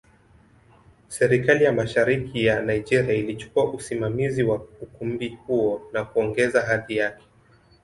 Serikali ya Mashariki ya Nigeria ilichukua usimamizi wa ukumbi huo na kuongeza hadhi yake.